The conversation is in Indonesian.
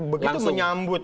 begitu menyambut gitu